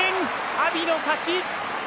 阿炎の勝ち。